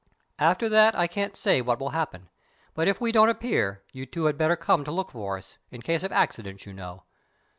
After that I can't say what will happen, but if we don't appear, you two had better come to look for us—in case of accidents, you know.